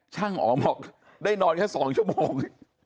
ช่างอ๋อบอกได้นอนแค่สองชั่วโมง